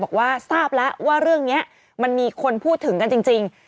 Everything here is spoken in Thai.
บอกว่าทราบแล้วว่าเรื่องนี้มันมีคนพูดถึงกันจริง